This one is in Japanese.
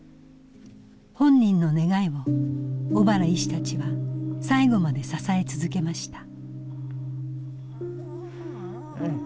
本人の願いを小原医師たちは最後まで支え続けました。